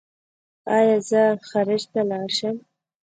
ایا زه خارج ته لاړ شم؟